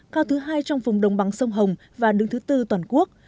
cao thứ hai trong vùng đồng bằng sông hồng và đứng thứ tư toàn quốc